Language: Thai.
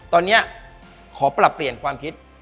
ตอนนี้ขอปรับเปลี่ยนความคิด